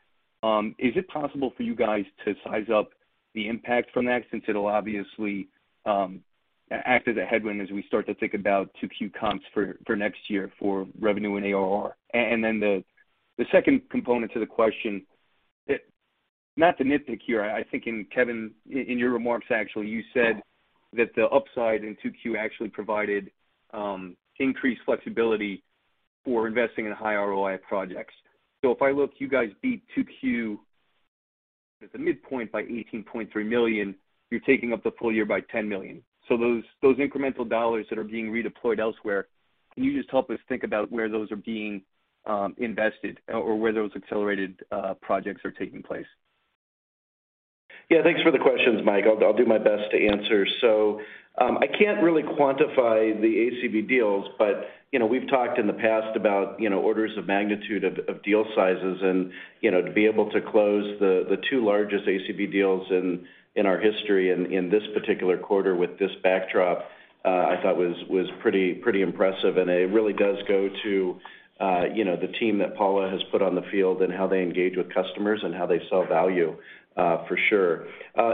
Is it possible for you guys to size up the impact from that since it'll obviously act as a headwind as we start to think about two key comps for next year for revenue and ARR? Then the second component to the question, not to nitpick here. I think in Kevin's remarks, actually, you said that the upside in 2Q actually provided increased flexibility for investing in high ROI projects. If I look, you guys beat 2Q at the midpoint by $18.3 million. You're taking up the full year by $10 million. Those incremental dollars that are being redeployed elsewhere, can you just help us think about where those are being invested or where those accelerated projects are taking place? Yeah. Thanks for the questions, Mike. I'll do my best to answer. I can't really quantify the ACV deals, but, you know, we've talked in the past about, you know, orders of magnitude of deal sizes. You know, to be able to close the two largest ACV deals in our history in this particular quarter with this backdrop, I thought was pretty impressive. It really does go to, you know, the team that Paula has put on the field and how they engage with customers and how they sell value, for sure.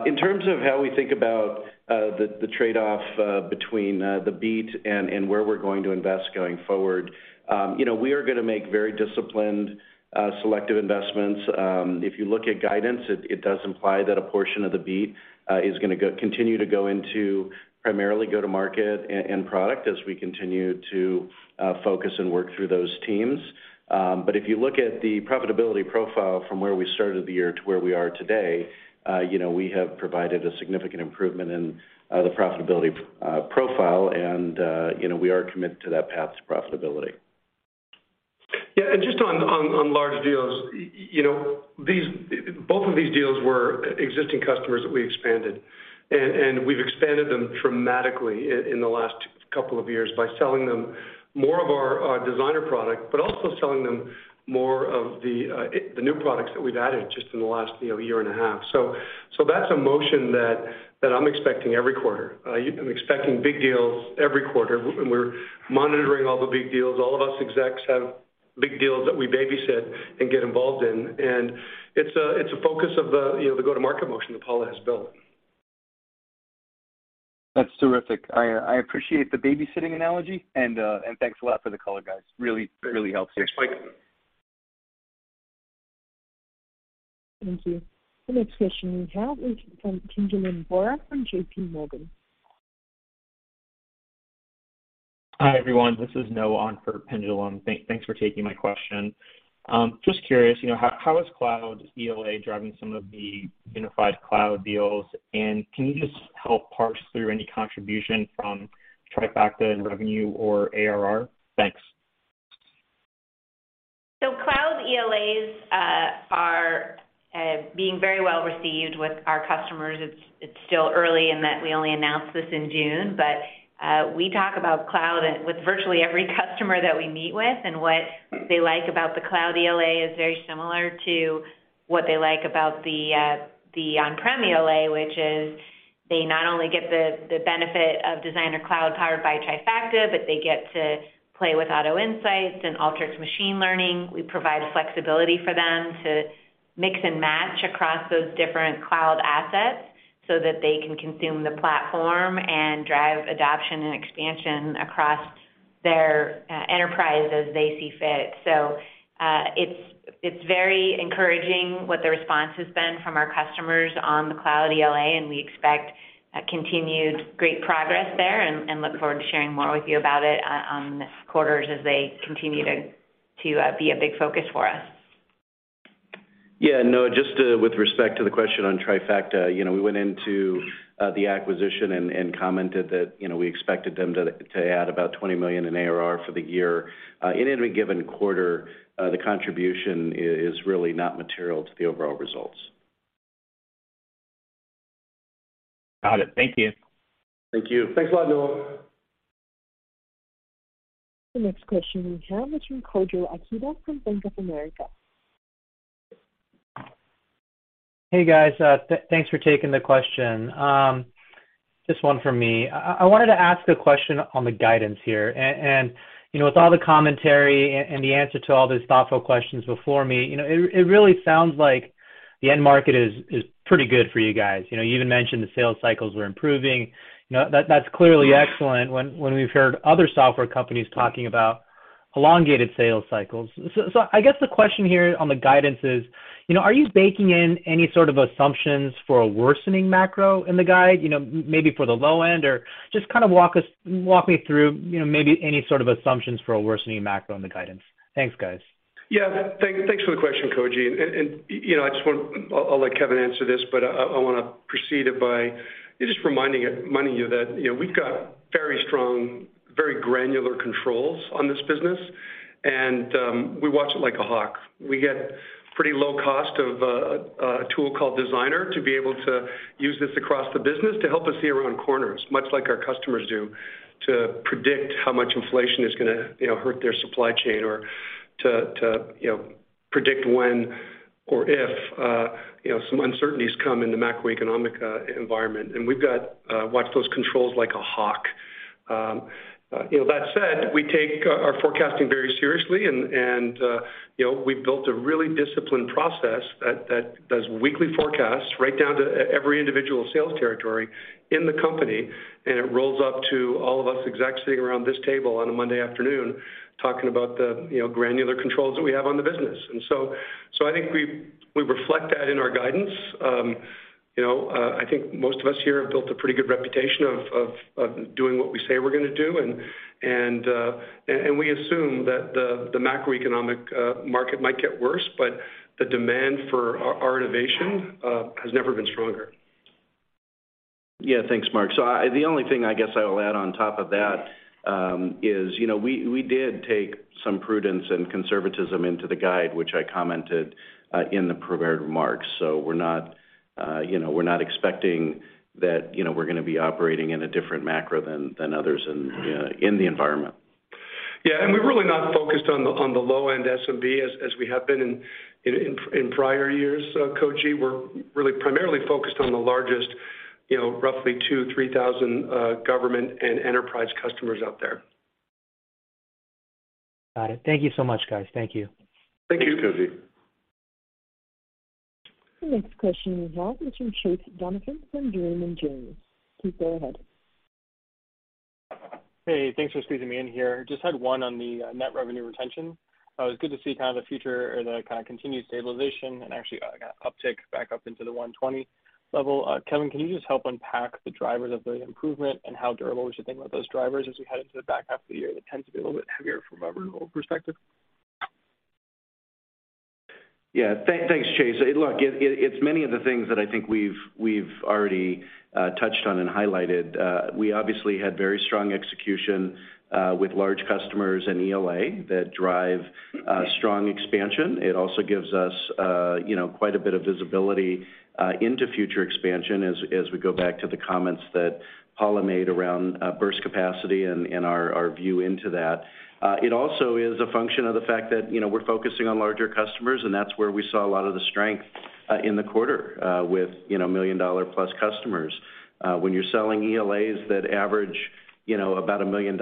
In terms of how we think about the trade-off between the beat and where we're going to invest going forward, you know, we are gonna make very disciplined selective investments. If you look at guidance, it does imply that a portion of the beat is gonna continue to go into primarily go-to-market and product as we continue to focus and work through those teams. If you look at the profitability profile from where we started the year to where we are today, you know, we have provided a significant improvement in the profitability profile. You know, we are committed to that path to profitability. Yeah. Just on large deals, you know, both of these deals were existing customers that we expanded. We've expanded them dramatically in the last couple of years by selling them more of our designer product, but also selling them more of the new products that we've added just in the last, you know, year and a half. That's a motion that I'm expecting every quarter. I'm expecting big deals every quarter. We're monitoring all the big deals. All of us execs have big deals that we babysit and get involved in. It's a focus of the go-to-market motion that Paula has built. That's terrific. I appreciate the babysitting analogy and thanks a lot for the color, guys. Really helps here. Thanks, Mike. Thank you. The next question we have is from Pinjalim Bora from J.P. Morgan. Hi, everyone. This is Noah on for Pinjalim Bora. Thanks for taking my question. Just curious, you know, how is cloud ELA driving some of the unified cloud deals? Can you just help parse through any contribution from Trifacta in revenue or ARR? Thanks. Cloud ELAs are being very well received with our customers. It's still early in that we only announced this in June. We talk about cloud and with virtually every customer that we meet with. What they like about the cloud ELA is very similar to what they like about the on-prem ELA, which is they not only get the benefit of Designer Cloud powered by Trifacta, but they get to play with Auto Insights and Alteryx Machine Learning. We provide flexibility for them to mix and match across those different cloud assets so that they can consume the platform and drive adoption and expansion across their enterprise as they see fit. It's very encouraging what the response has been from our customers on the cloud ELA, and we expect continued great progress there and look forward to sharing more with you about it this quarter as they continue to be a big focus for us. Yeah. No, just, with respect to the question on Trifacta, you know, we went into the acquisition and commented that, you know, we expected them to add about $20 million in ARR for the year. In any given quarter, the contribution is really not material to the overall results. Got it. Thank you. Thank you. Thanks a lot, Noah. The next question we have is from Koji Ikeda from Bank of America. Hey guys, thanks for taking the question. Just one from me. I wanted to ask a question on the guidance here. You know, with all the commentary and the answer to all the thoughtful questions before me, you know, it really sounds like the end market is pretty good for you guys. You know, you even mentioned the sales cycles were improving. You know, that's clearly excellent when we've heard other software companies talking about elongated sales cycles. I guess the question here on the guidance is, you know, are you baking in any sort of assumptions for a worsening macro in the guide, you know, maybe for the low end? Or just kind of walk me through, you know, maybe any sort of assumptions for a worsening macro in the guidance. Thanks, guys. Yeah. Thanks for the question, Koji. You know, I just want. I'll let Kevin answer this, but I wanna precede it by just reminding you, minding you that, you know, we've got very strong, very granular controls on this business, and we watch it like a hawk. We get pretty low cost of a tool called Designer to be able to use this across the business to help us see around corners, much like our customers do, to predict how much inflation is gonna, you know, hurt their supply chain or to, you know, predict when or if, you know, some uncertainties come in the macroeconomic environment. We've got watch those controls like a hawk. You know, that said, we take our forecasting very seriously and we've built a really disciplined process that does weekly forecasts right down to every individual sales territory in the company, and it rolls up to all of us execs sitting around this table on a Monday afternoon talking about the, you know, granular controls that we have on the business. I think we reflect that in our guidance. You know, I think most of us here have built a pretty good reputation of doing what we say we're gonna do. We assume that the macroeconomic market might get worse, but the demand for our innovation has never been stronger. Yeah. Thanks, Mark. The only thing I guess I will add on top of that is, you know, we did take some prudence and conservatism into the guide, which I commented in the prepared remarks. We're not, you know, we're not expecting that, you know, we're gonna be operating in a different macro than others in the environment. Yeah. We're really not focused on the low end SMB as we have been in prior years, Koji. We're really primarily focused on the largest, you know, roughly 2,000-3,000 government and enterprise customers out there. Got it. Thank you so much, guys. Thank you. Thank you. Thanks, Koji. The next question is out with you, Chase Donovan from Raymond James. Please go ahead. Hey, thanks for squeezing me in here. Just had one on the net revenue retention. It was good to see kind of the future or the kind of continued stabilization and actually, uptick back up into the 120 level. Kevin, can you just help unpack the drivers of the improvement and how durable we should think about those drivers as we head into the back half of the year? That tends to be a little bit heavier from a renewal perspective. Yeah. Thanks, Chase. Look, it's many of the things that I think we've already touched on and highlighted. We obviously had very strong execution with large customers in ELA that drive strong expansion. It also gives us you know quite a bit of visibility into future expansion as we go back to the comments that Paula Hansen made around burst capacity and our view into that. It also is a function of the fact that you know we're focusing on larger customers, and that's where we saw a lot of the strength in the quarter with you know $1 million+ customers. When you're selling ELAs that average you know about $1 million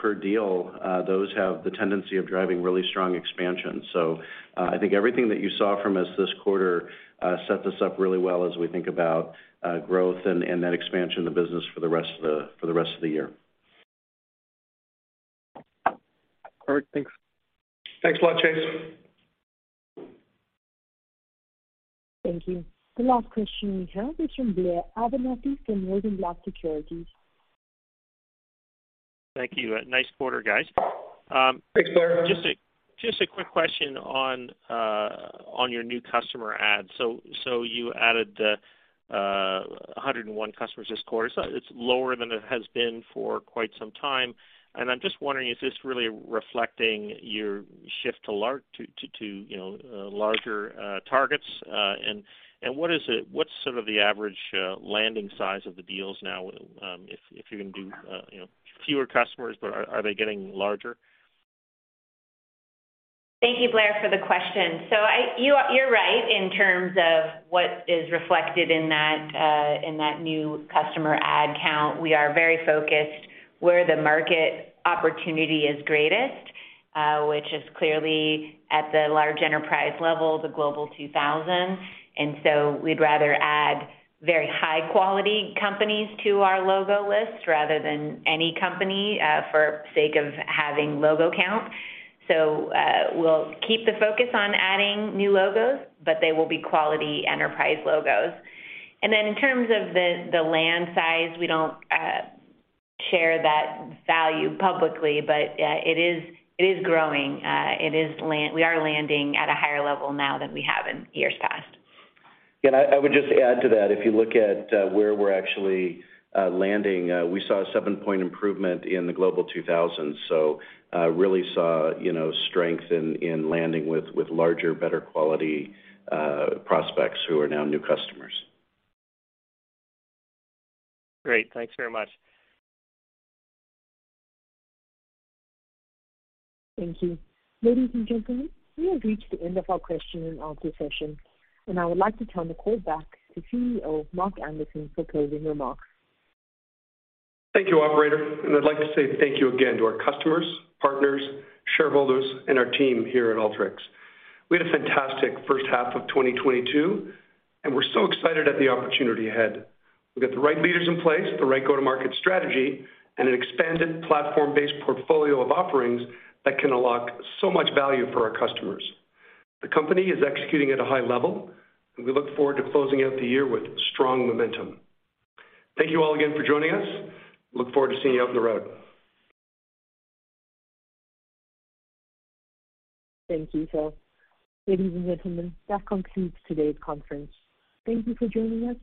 per deal those have the tendency of driving really strong expansion. I think everything that you saw from us this quarter set this up really well as we think about growth and that expansion of the business for the rest of the year. All right. Thanks. Thanks a lot, Chase. Thank you. The last question we have is from Blair Abernethy from Rosenblatt Securities. Thank you. Nice quarter, guys. Thanks, Blair. Just a quick question on your new customer add. You added 101 customers this quarter. It's lower than it has been for quite some time, and I'm just wondering, is this really reflecting your shift to larger targets? What's sort of the average landing size of the deals now, if you're gonna do, you know, fewer customers, but are they getting larger? Thank you, Blair, for the question. You're right in terms of what is reflected in that new customer add count. We are very focused where the market opportunity is greatest, which is clearly at the large enterprise level, the Global 2000. We'd rather add very high quality companies to our logo list rather than any company for the sake of having logo count. We'll keep the focus on adding new logos, but they will be quality enterprise logos. In terms of the land size, we don't share that value publicly, but it is growing. We are landing at a higher level now than we have in years past. Yeah, I would just add to that. If you look at where we're actually landing, we saw a seven-point improvement in the Global 2000. Really saw, you know, strength in landing with larger, better quality prospects who are now new customers. Great. Thanks very much. Thank you. Ladies and gentlemen, we have reached the end of our question and answer session, and I would like to turn the call back to CEO Mark Anderson for closing remarks. Thank you, operator. I'd like to say thank you again to our customers, partners, shareholders, and our team here at Alteryx. We had a fantastic first half of 2022, and we're so excited at the opportunity ahead. We've got the right leaders in place, the right go-to-market strategy, and an expanded platform-based portfolio of offerings that can unlock so much value for our customers. The company is executing at a high level, and we look forward to closing out the year with strong momentum. Thank you all again for joining us. Look forward to seeing you on the road. Thank you. Ladies and gentlemen, that concludes today's conference. Thank you for joining us.